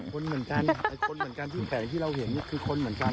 คนเหมือนกันคนเหมือนกันแสงที่เราเห็นนี่คือคนเหมือนกัน